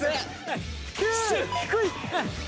９！低い！